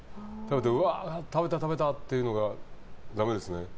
うわー、食べた、食べたっていうのがだめですね。